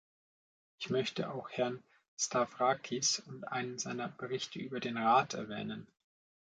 Ich möchte auch Herrn Stavrakis und einen seiner Berichte über den Rat erwähnen.